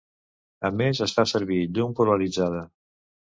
A més es fa servir llum polaritzada.